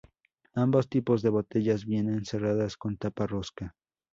Ambos tipos de botellas vienen cerradas con tapa rosca.